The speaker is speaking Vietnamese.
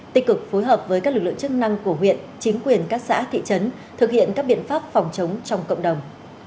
tích cực phối hợp với các lực lượng chức năng của huyện chính quyền các xã thị trấn thực hiện các biện pháp phòng chống trong cộng đồng